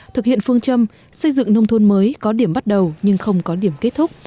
thực hiện phương châm xây dựng nông thôn mới có điểm bắt đầu nhưng không có điểm kết thúc